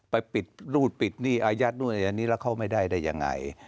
ไปปิดนู่นปิดนี่อายัดนู่นอันนี้แล้วเขาไม่ได้ได้ยังไง